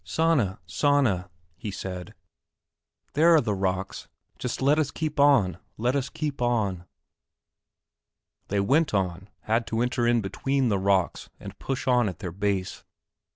"Sanna, Sanna," he said, "there are the rocks, just let us keep on, let us keep on." They went on, had to enter in between the rocks and push on at their base.